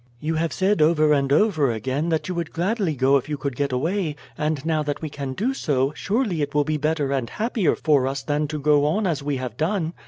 "You have said over and over again that you would gladly go if you could get away, and now that we can do so, surely it will be better and happier for us than to go on as we have done.